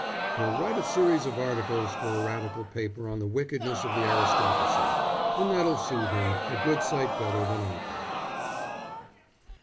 "He'll write a series of articles for a Radical paper on the wickedness of the aristocracy, and that'll soothe him a good sight better than I could."